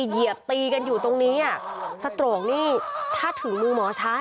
เหยียบตีกันอยู่ตรงนี้สโตรกนี่ถ้าถือมือหมอช้า